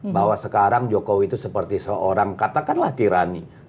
bahwa sekarang jokowi itu seperti seorang katakanlah tirani